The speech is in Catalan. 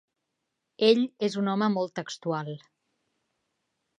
Ell és un home molt textual.